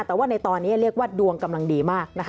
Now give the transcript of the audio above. แต่ว่าในตอนนี้เรียกว่าดวงกำลังดีมากนะคะ